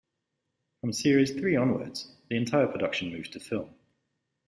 From series three onwards, the entire production moved to film.